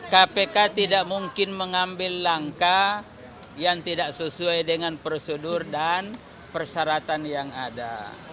kpk tidak mungkin mengambil langkah yang tidak sesuai dengan prosedur dan persyaratan yang ada